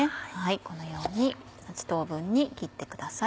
このように８等分に切ってください。